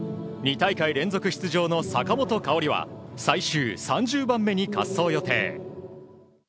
２大会連続出場の坂本花織は最終３０番目に滑走予定。